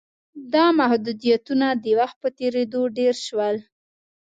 دا محدودیتونه د وخت په تېرېدو ډېر شول